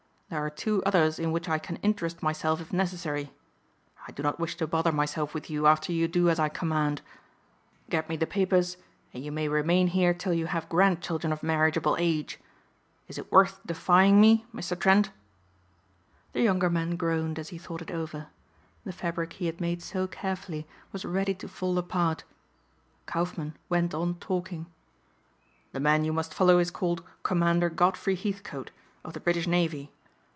There are two others in which I can interest myself if necessary. I do not wish to bother myself with you after you do as I command. Get me the papers and you may remain here till you have grand children of marriageable age. Is it worth defying me, Mr. Trent?" The younger man groaned as he thought it over. The fabric he had made so carefully was ready to fall apart. Kaufmann went on talking. "The man you must follow is called Commander Godfrey Heathcote, of the British Navy.